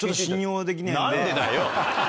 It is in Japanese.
何でだよ。